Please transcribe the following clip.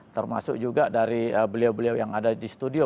termasuk juga dari beliau beliau yang ada di studio